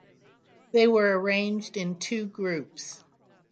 They were arranged in two groups.